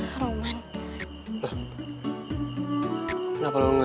baru disuruh tunggu bentar aja udah ngomel